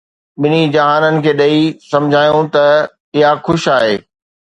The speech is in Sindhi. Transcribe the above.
ٻنهي جهانن کي ڏئي، سمجهيائون ته اها خوش آهي